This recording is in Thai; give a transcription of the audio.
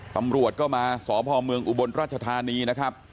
ตำรวจก็มาสพเมืองอุบลราชธานีนะครับ